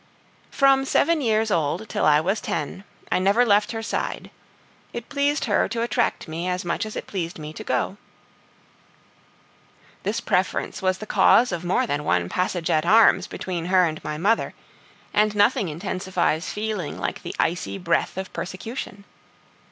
From seven years old till I was ten, I never left her side; it pleased her to attract me as much as it pleased me to go. This preference was the cause of more than one passage at arms between her and my mother, and nothing intensifies feeling like the icy breath of persecution.